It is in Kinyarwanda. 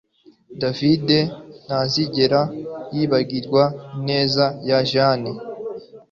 David ntazigera yibagirwa ineza ya Jane